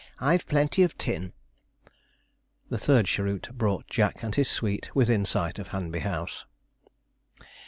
I've plenty of tin.' The third cheroot brought Jack and his suite within sight of Hanby House.